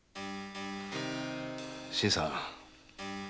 新さん。